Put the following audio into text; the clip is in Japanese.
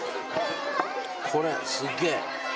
これすげえ。